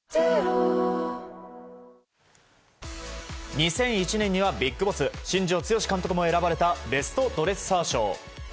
２００１年にはビッグボス新庄剛志監督も選ばれたベストドレッサー賞。